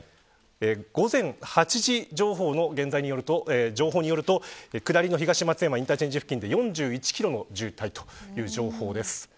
午前８時の情報によると下りの東松山インターチェンジ付近で４１キロの渋滞という情報です。